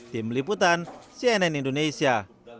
tim liputan cnn indonesia